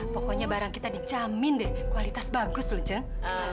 pokoknya barang kita dijamin deh kualitas bagus loh jen